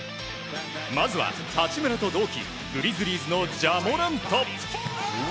まずは八村と同期グリズリーズのジャ・モラント。